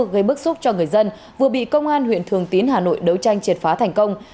gây bức xúc cho người dân vừa bị công an huyện thường tín hà nội đấu tranh triệt phá thành công